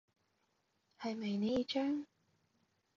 係咪呢張？